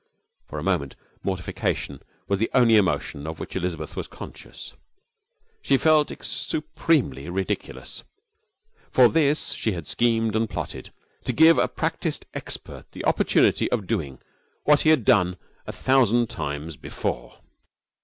For a moment mortification was the only emotion of which Elizabeth was conscious. She felt supremely ridiculous. For this she had schemed and plotted to give a practised expert the opportunity of doing what he had done a thousand times before!